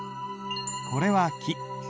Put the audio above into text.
これは「キ」。